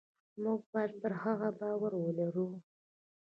موږ باید پر هغه باور ولرو.